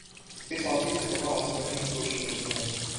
بے ساختگی سے فتح حاصل کرنے کی کوشش کرتی ہیں